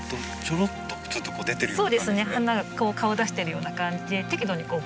ちょろっとちょっと出てるような感じですね。